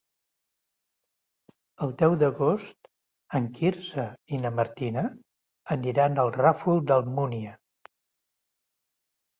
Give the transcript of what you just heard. El deu d'agost en Quirze i na Martina aniran al Ràfol d'Almúnia.